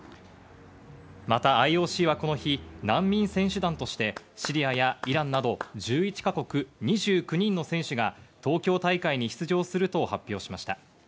またＩＯＣはこの日、難民選手団としてシリアやイランなど１１か国、２９人の選手が東京大会に出場すると発表しました。